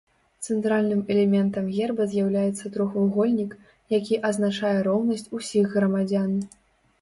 Цэнтральным элементам герба з'яўляецца трохвугольнік, які азначае роўнасць усіх грамадзян.